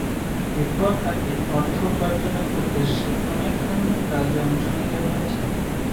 এরপর তাকে অর্থ উপার্জনের উদ্দেশ্যে অনেক ধরনের কাজে অংশ নিতে হয়েছে।